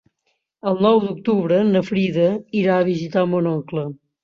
El nou d'octubre na Frida irà a visitar mon oncle.